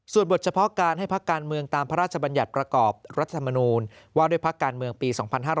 ส่วนบทเฉพาะการให้พักการเมืองตามพระราชบัญญัติประกอบรัฐธรรมนูลว่าด้วยพักการเมืองปี๒๕๕๙